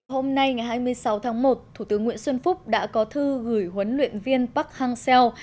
hôm nay ngày hai mươi sáu tháng một thủ tướng nguyễn xuân phúc đã có thư gửi huấn luyện viên park hang seo